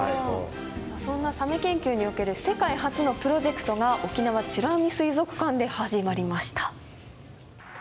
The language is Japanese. そんなサメ研究における世界初のプロジェクトが沖縄美ら海水族館で始まりました。